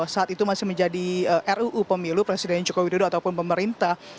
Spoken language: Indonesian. saat itu masih menjadi ruu pemilu presiden joko widodo ataupun pemerintah